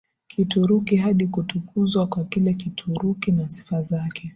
Kituruki hadi kutukuzwa kwa kila Kituruki na sifa zake